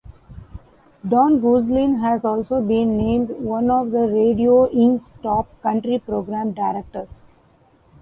Don Gosselin has also been named one of Radio Ink's "Top Country Program Directors".